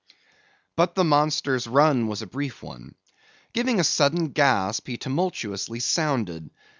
But the monster's run was a brief one. Giving a sudden gasp, he tumultuously sounded.